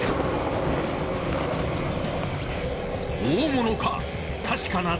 大物か？